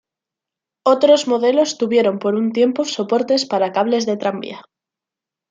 Otros modelos tuvieron por un tiempo soportes para cables de tranvía.